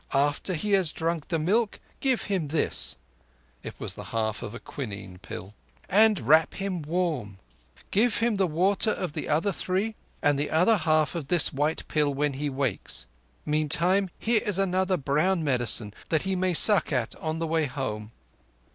After he has drunk the milk give him this" (it was the half of a quinine pill), "and wrap him warm. Give him the water of the other three, and the other half of this white pill when he wakes. Meantime, here is another brown medicine that he may suck at on the way home."